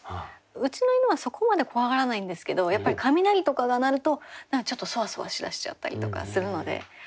うちの犬はそこまで怖がらないんですけどやっぱり雷とかが鳴ると何かちょっとソワソワしだしちゃったりとかするので。